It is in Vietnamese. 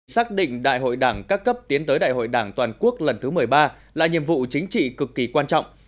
xác định đại hội đảng các cấp tiến tới đại hội đảng toàn quốc lần thứ một mươi ba là nhiệm vụ chính trị cực kỳ quan trọng